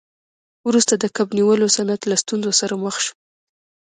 وروسته د کب نیولو صنعت له ستونزو سره مخ شو.